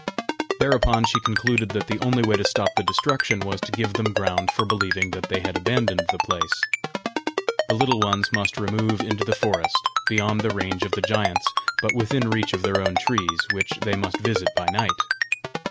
Thereupon she concluded that the only way to stop the destruction was to give them ground for believing that they had abandoned the place. The Little Ones must remove into the forest beyond the range of the giants, but within reach of their own trees, which they must visit by night!